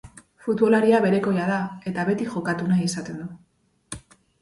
Futbolaria berekoia da eta beti jokatu nahi izaten du.